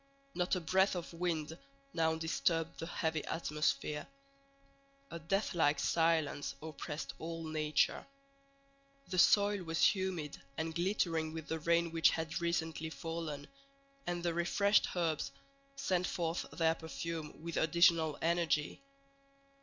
Not a breath of wind now disturbed the heavy atmosphere. A deathlike silence oppressed all nature. The soil was humid and glittering with the rain which had recently fallen, and the refreshed herbs sent forth their perfume with additional energy.